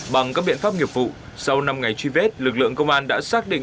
bằng các biện pháp nghiệp vụ sau năm ngày truy vết lực lượng công an đã xác định